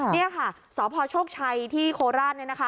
นี่ค่ะสพโชคชัยที่โคราชเนี่ยนะคะ